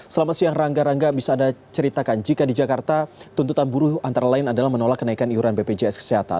selamat siang rangga rangga bisa anda ceritakan jika di jakarta tuntutan buruh antara lain adalah menolak kenaikan iuran bpjs kesehatan